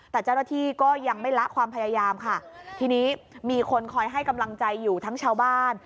แต่เจ้าหน้าที่ก็ยังไม่ละความพยายามค่ะทีนี้มีคนคอยให้กำลังใจอยู่ทั้งชาวบ้าน